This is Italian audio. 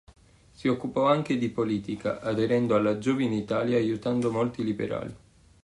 Si occupò anche di politica aderendo alla Giovine Italia e aiutando molti liberali.